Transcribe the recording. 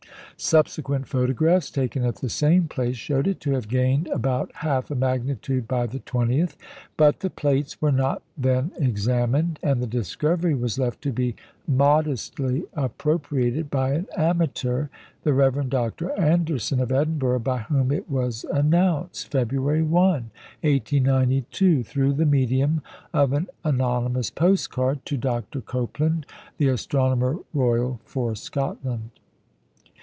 Subsequent photographs taken at the same place showed it to have gained about half a magnitude by the 20th; but the plates were not then examined, and the discovery was left to be modestly appropriated by an amateur, the Rev. Dr. Anderson of Edinburgh, by whom it was announced, February 1, 1892, through the medium of an anonymous postcard, to Dr. Copeland, the Astronomer Royal for Scotland.